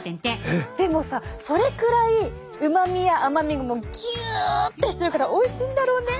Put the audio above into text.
えっ！でもさそれくらいうまみや甘みがギュッてしてるからおいしいんだろうね。